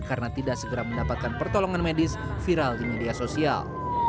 karena tidak segera mendapatkan pertolongan medis viral di media sosial